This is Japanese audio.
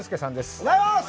おはようございます。